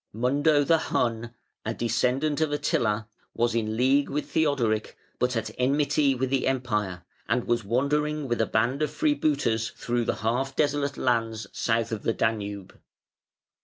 (505) Mundo, the Hun, a descendant of Attila, was in league with Theodoric, but at enmity with the Empire, and was wandering with a band of freebooters through the half desolate lands south of the Danube.